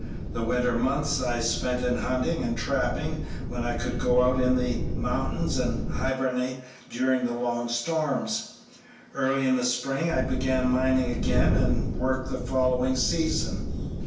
The winter months I spent in hunting and trapping when I could go out in the mountains, and hibernated during the long storms. Early in the spring I began mining again and worked the following season.